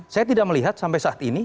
saya tidak melihat sampai saat ini